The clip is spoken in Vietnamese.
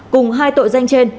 cùng hai tội danh trên